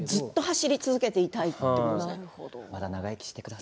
ずっと走り続けていたいということですね。